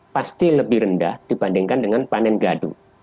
pasti lebih rendah dibandingkan dengan panen gadu